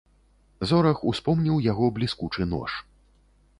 Зорах успомніў яго бліскучы нож.